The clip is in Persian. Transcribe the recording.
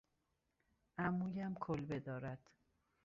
عمویم کلبه دارد.